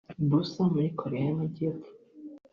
Busan muri Koreya y’Amajyepfo